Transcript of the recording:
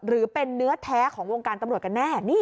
หรือเป็นเนื้อแท้ของวงการตำรวจกันแน่